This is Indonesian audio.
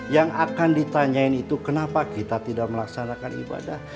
yang akan ditanyain itu kenapa kita tidak melaksanakan ibadah